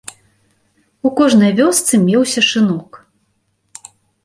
У кожнай вёсцы меўся шынок.